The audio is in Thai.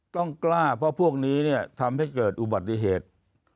ต้องกล้าเพราะพวกนี้เนี่ยทำให้เกิดอุบัติเหตุ